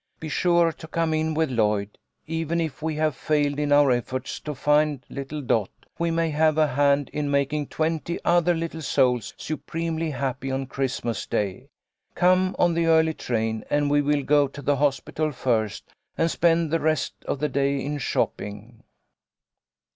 Be sure to come in with Lloyd. Even if we have failed in our efforts to find little Dot, we may have a hand in making twenty other little souls supremely happy on Christ mas Day. Come on the early train, and we will go to the hospital first, and spend the rest of the day in shopping."